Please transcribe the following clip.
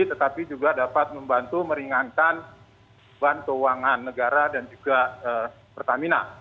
tetapi juga dapat membantu meringankan bantuan keuangan negara dan juga pertamina